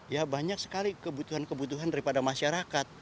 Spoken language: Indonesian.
ya banyak sekali kebutuhan kebutuhan daripada masyarakat